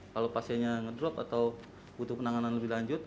kalau pasiennya ngedrop atau butuh penanganan lebih lanjut